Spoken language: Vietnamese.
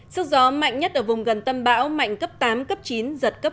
sức gió mạnh nhất ở vùng gần tâm bão mạnh cấp tám cấp chín giật cấp một mươi một